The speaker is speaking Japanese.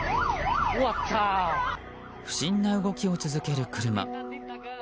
不審な動きを続ける車。